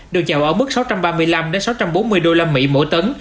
được chào ở mức sáu trăm ba mươi năm sáu trăm bốn mươi usd mỗi tấn